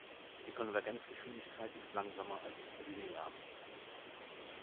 Die Konvergenzgeschwindigkeit ist langsamer als linear.